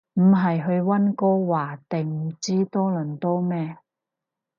唔係去溫哥華定唔知多倫多咩